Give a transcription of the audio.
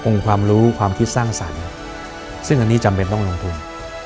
ความรู้ความคิดสร้างสรรค์ซึ่งอันนี้จำเป็นต้องลงทุน